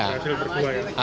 berhasil berdua ya